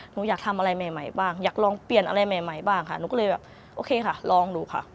หนูอยากทำอะไรใหม่บ้างอยากลองเปลี่ยนอะไรใหม่บ้างค่ะหนูก็เลยแบบโอเคค่ะลองดูค่ะ